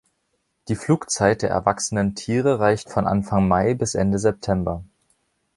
Die Flugzeit der erwachsenen Tiere reicht von Anfang Mai bis Ende September.